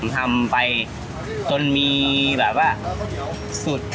ทำไปจนมีสุทธิ์